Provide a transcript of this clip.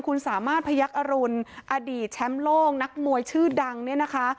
คุณสามารถพยักษ์อรุณอดีตแชมป์โลกนักมวยชื่อดังเนี่ยนะคะ